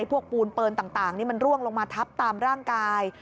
ปูนเปินต่างนี่มันร่วงลงมาทับตามร่างกาย